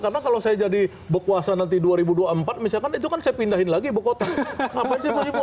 karena kalau saya jadi bekuasa nanti dua ribu dua puluh empat misalkan itu kan saya pindahin lagi berkota